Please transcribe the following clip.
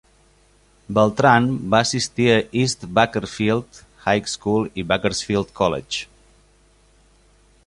Beltran va assistir a East Bakersfield High School i Bakersfield College.